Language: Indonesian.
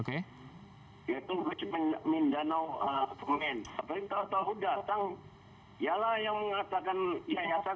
tapi kalau tahu datang ya lah yang mengatakan yayasan